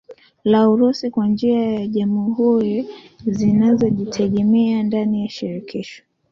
la Urusi Kwa njia ya jamhuri zinazojitegemea ndani ya Shirikisho